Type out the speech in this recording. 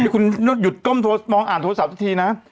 คุณหยุดก้มโทรมองอ่านโทรศัพท์ทุกทีนะ